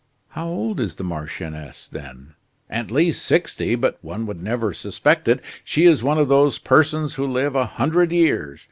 "How old is the marchioness, then?" "At least sixty: but one would never suspect it. She is one of those persons who live a hundred years.